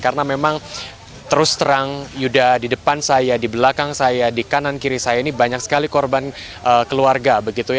karena memang terus terang yuda di depan saya di belakang saya di kanan kiri saya ini banyak sekali korban keluarga